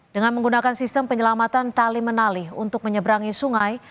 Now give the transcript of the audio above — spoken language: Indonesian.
dengan menggunakan sistem penyelamatan tali menalih untuk menyeberangi sungai